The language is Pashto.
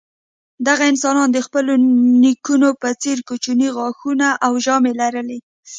دغو انسانانو د خپلو نیکونو په څېر کوچني غاښونه او ژامې لرلې.